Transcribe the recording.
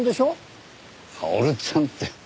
「薫ちゃん」って。